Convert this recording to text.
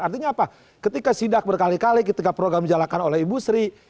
artinya apa ketika sidak berkali kali ketika program dijalakan oleh ibu sri